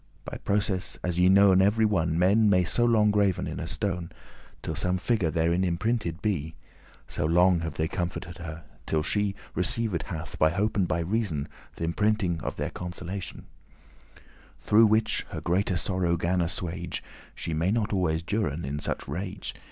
By process, as ye knowen every one, Men may so longe graven in a stone, Till some figure therein imprinted be: So long have they comforted her, till she Received hath, by hope and by reason, Th' imprinting of their consolation, Through which her greate sorrow gan assuage; She may not always duren in such rage.